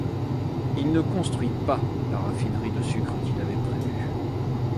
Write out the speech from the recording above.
Il ne construit pas la raffinerie de sucre qu'il avait prévu.